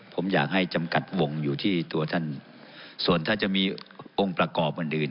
ผมอยากให้จำกัดวงอยู่ที่ตัวท่านส่วนถ้าจะมีองค์ประกอบอื่นอื่น